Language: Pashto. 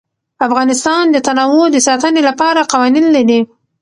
افغانستان د تنوع د ساتنې لپاره قوانین لري.